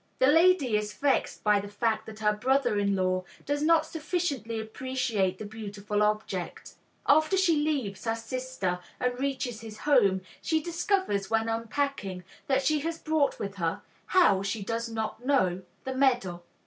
The lady is vexed by the fact that her brother in law does not sufficiently appreciate the beautiful object. After she leaves her sister and reaches her home, she discovers when unpacking that she has brought with her how, she does not know the medal.